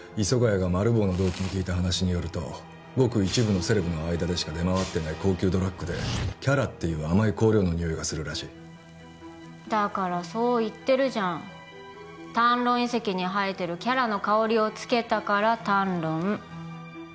谷がマル暴の同期に聞いた話によるとごく一部のセレブの間でしか出回ってない高級ドラッグで伽羅っていう甘い香料の匂いがするらしいだからそう言ってるじゃんタンロン遺跡に生えてる伽羅の香りをつけたから「タンロン」